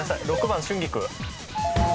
６番春菊。